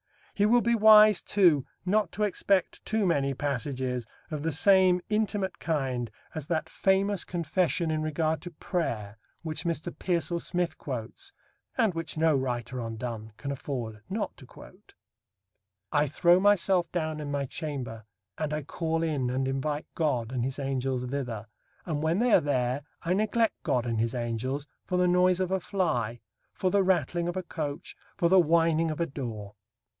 He will be wise, too, not to expect too many passages of the same intimate kind as that famous confession in regard to prayer which Mr. Pearsall Smith quotes, and which no writer on Donne can afford not to quote: I throw myself down in my chamber, and I call in, and invite God, and his angels thither, and when they are there, I neglect God and his Angels, for the noise of a fly, for the rattling of a coach, for the whining of a door.